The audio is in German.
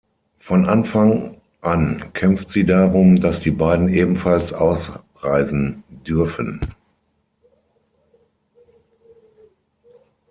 Von Anfang an kämpft sie darum, dass die beiden ebenfalls ausreisen dürfen.